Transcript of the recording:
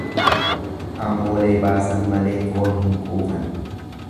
Amoolee baasan malee foon hin quufan.